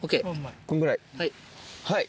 こんぐらい？